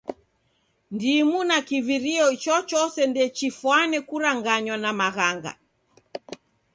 Ndimu na kivirio ichochose ndechifwane kuranganywa na maghanga.